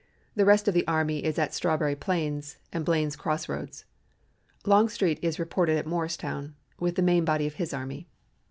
The rest of the army is at Strawberry Plains and Blain's Cross Roads. Longstreet is reported at Morristown with the main body of his army.